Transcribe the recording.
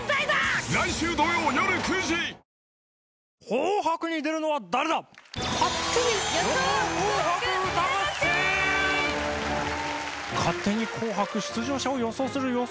『紅白』に出るのは誰だ⁉勝手に『紅白』出場者を予想する予想